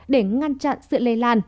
để ngăn chặn sự lây lan